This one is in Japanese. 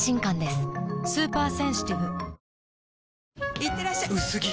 いってらっしゃ薄着！